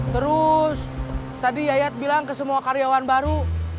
terus tadi yayat bilang ke semua karyawan baru